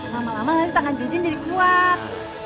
lama lama nanti tangan jijin jadi kuat